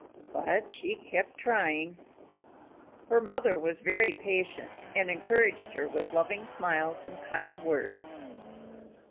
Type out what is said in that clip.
But she kept trying. Her mother was very patient and encouraged her with loving smiles and kind words.